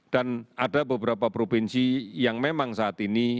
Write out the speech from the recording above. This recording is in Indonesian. dan ada beberapa provinsi yang memang saat ini